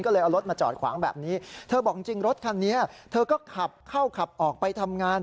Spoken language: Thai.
ก็เลยเอารถมาจอดขวางแบบนี้เธอบอกจริงรถคันนี้เธอก็ขับเข้าขับออกไปทำงาน